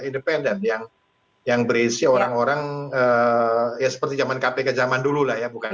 independen yang yang berisi orang orang ya seperti zaman kpk zaman dulu lah ya bukan